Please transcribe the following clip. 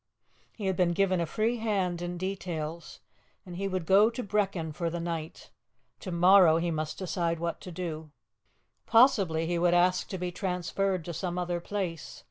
He had been given a free hand in details, and he would go to Brechin for the night; to morrow he must decide what to do. Possibly he would ask to be transferred to some other place.